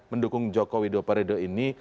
mendukung joko widodo periode ini